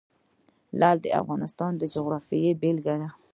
لعل د افغانستان د جغرافیې بېلګه ده.